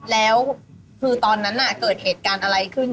แล้วคือตอนนั้นเกิดเหตุการณ์อะไรขึ้น